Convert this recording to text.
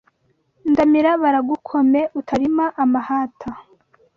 Ndamira baragukome utarima amahata